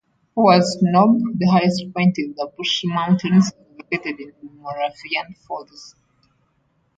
Pores Knob, the highest point in the Brushy Mountains, is located in Moravian Falls.